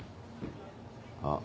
あっ。